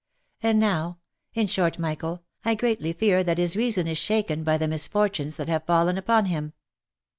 And now — In short, Michael, I greatly fear that his reason is shaken by the misfortunes that have fallen upon him.